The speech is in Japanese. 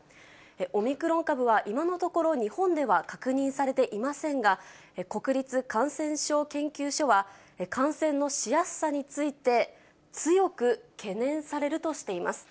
オミクロン株は今のところ、日本では確認されていませんが、国立感染症研究所は、感染のしやすさについて、強く懸念されるとしています。